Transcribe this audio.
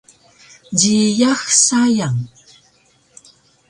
Jiyax sayang